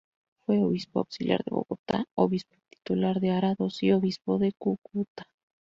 Fue obispo auxiliar de Bogotá, Obispo titular de Arados, y Obispo de Cúcuta.